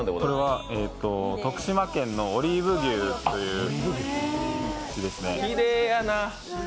徳島県のオリーブ牛という牛ですね。